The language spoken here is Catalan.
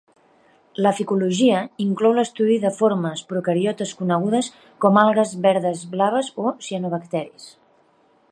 La ficologia inclou l'estudi de formes procariotes conegudes com algues verdes blaves o cianobacteris.